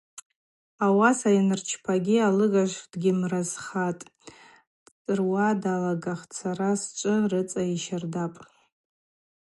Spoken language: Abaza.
Ауаса йанырчпагьи алыгажв дгьымразхатӏ, дцӏыруа даталагахтӏ: Сара счӏвы рыцӏа йщардапӏ.